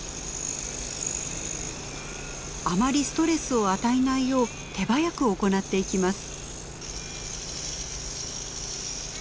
あまりストレスを与えないよう手早く行っていきます。